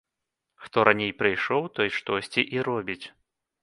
Хто раней прыйшоў, той штосьці і робіць.